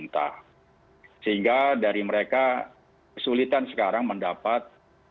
terima kasih pak